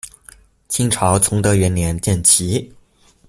清朝崇德元年建旗。